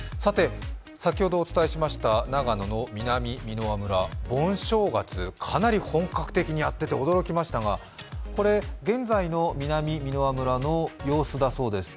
先ほどお伝えしました長野の南箕輪村、盆正月、かなり本格的にやってて驚きましたがこれは現在の南箕輪村の様子だそうです。